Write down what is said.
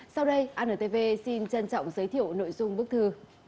sau đây antv xin trân trọng giới thiệu nội dung bức thư